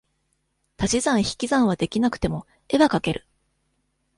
足し算引き算は出来なくても、絵は描ける。